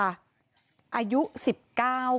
อายุ๑๙ขอใช้เป็นนามสมมติ